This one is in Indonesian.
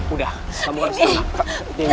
udah kamu harus tenang